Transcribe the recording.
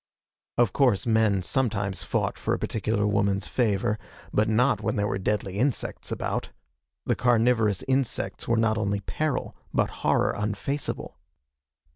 Of course men sometimes fought for a particular woman's favor, but not when there were deadly insects about. The carnivorous insects were not only peril, but horror unfaceable.